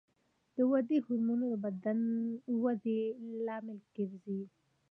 د ودې هورمون د بدن د ودې لامل ګرځي.